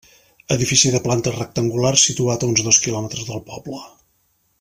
Edifici de planta rectangular, situat a uns dos quilòmetres del poble.